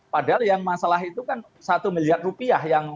padahal yang masalah itu kan satu miliar rupiah